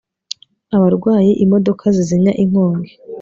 abarwayi imodoka zizimya inkongi